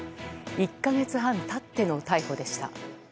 １か月半経っての逮捕でした。